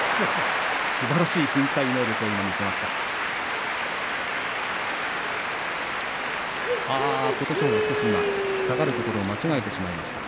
すばらしい身体能力を見せました。